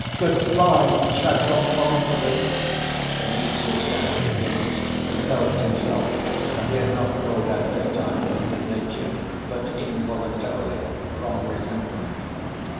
"Good‐by, Trifon Borissovitch!" Mitya shouted again, and felt himself, that he had not called out this time from good‐nature, but involuntarily, from resentment.